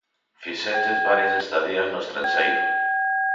Fixeches varias estadías no estranxeiro.